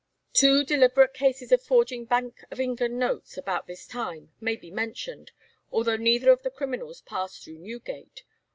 Two deliberate cases of forging Bank of England notes about this time may be mentioned, although neither of the criminals passed through Newgate.